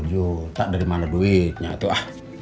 empat puluh juta tak ada dimana duitnya tuh ah